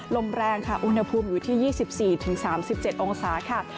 ลมแรงค่ะอุณหภูมิอยู่ที่๒๔๓๗องศาค่ะ